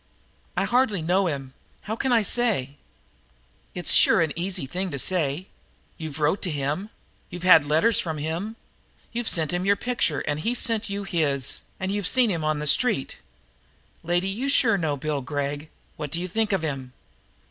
"I hardly know him. How can I say?" "It's sure an easy thing to say. You've wrote to him. You've had letters from him. You've sent him your picture, and he's sent you his, and you've seen him on the street. Lady, you sure know Bill Gregg, and what do you think of him?"